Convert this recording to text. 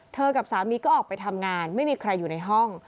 กับสามีก็ออกไปทำงานไม่มีใครอยู่ในห้อง